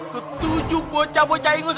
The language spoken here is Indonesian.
ketujuh bocah bocah ingus